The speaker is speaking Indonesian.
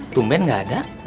tumben gak ada